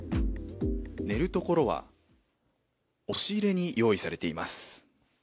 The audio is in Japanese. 寝るところは押し入れに用意されています。